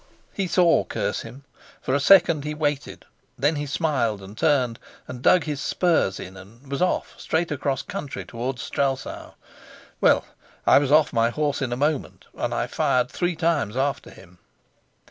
"He saw, curse him. For a second he waited; then he smiled, and turned, and dug his spurs in and was off, straight across country towards Strelsau. Well, I was off my horse in a moment, and I fired three times after him."